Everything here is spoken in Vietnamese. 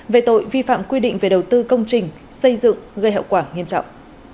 về tội vi phạm quy định về đầu tư công trình xây dựng gây hậu quả nghiêm trọng